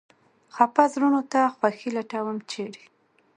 خپه زړونو ته خوښي لټوم ، چېرې ؟